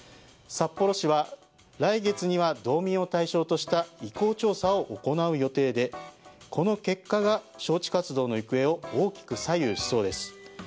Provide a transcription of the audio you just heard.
札幌市は来月には道民を対象とした意向調査を行う予定でこの結果が、招致活動の行方を大きく左右しそうです。